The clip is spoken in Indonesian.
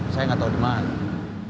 saya enggak tau di mana